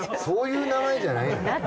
そういう名前じゃないのよ。